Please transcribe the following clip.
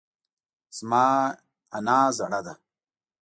زما نیا زړه ده